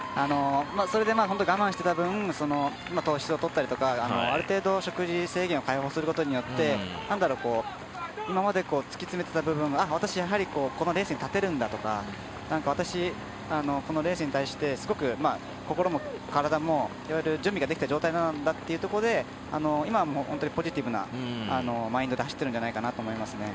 それで本当に我慢していた分、糖質をとったりとかある程度、食事制限を解放することによって今まで、突き詰めていた部分が私、やはりこのレースに勝てるんだとか、このレースに対してすごく心も体もいろいろ準備ができた状態なんだというところで今、本当にポジティブなマインドで走っているんじゃないかなと思いますね。